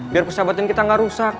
biar persahabatan kita nggak rusak